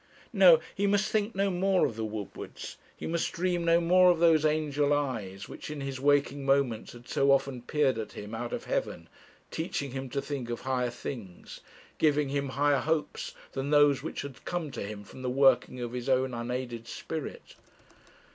No; he must think no more of the Woodwards; he must dream no more of those angel eyes which in his waking moments had so often peered at him out of heaven, teaching him to think of higher things, giving him higher hopes than those which had come to him from the working of his own unaided spirit.